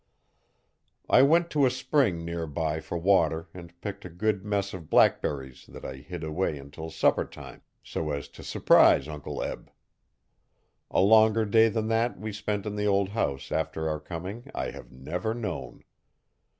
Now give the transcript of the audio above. I went to a spring near by for water and picked a good mess of blackberries that I hid away until supper time, so as to surprise Uncle Eb. A longer day than that we spent in the old house, after our coming, I have never known.